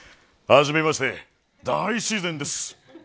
はじめまして、大自然です。